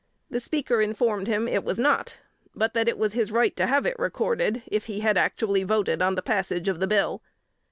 The Speaker informed him it was not, but that it was his right to have it recorded, if he had actually voted on the passage of the bill.